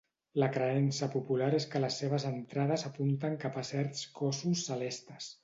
La creença popular és que les seves entrades apunten cap a certs cossos celestes.